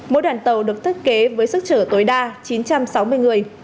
mỗi đoàn tàu được thiết kế với sức trở tối đa chín trăm sáu mươi người